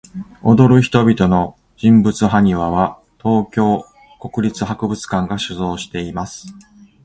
踊る人々の人物埴輪は、東京国立博物館が所蔵しています。